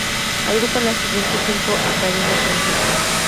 Agrupa las siguientes cinco academias francesas.